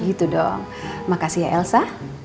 gitu dong makasih ya elsa